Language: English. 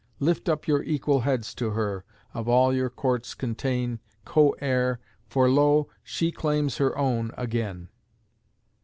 Lift up your equal heads to her, Of all your courts contain, co heir, For lo! she claims her own again!